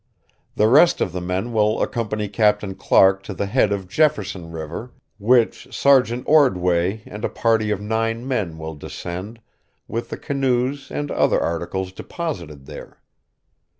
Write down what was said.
The rest of the men will accompany Captain Clark to the head of Jefferson River, which Sergeant Ordway and a party of nine men will descend, with the canoes and other articles deposited there.